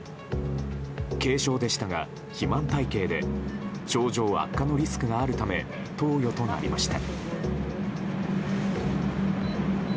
軽症でしたが、肥満体形で症状悪化のリスクがあるため投与となりました。